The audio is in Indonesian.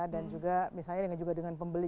dan juga misalnya dengan pembeli